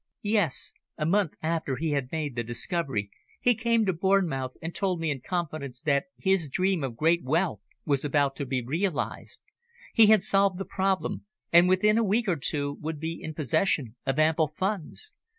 "Yes. A month after he had made the discovery he came to Bournemouth, and told me in confidence that his dream of great wealth was about to be realised. He had solved the problem, and within a week or two would be in possession of ample funds.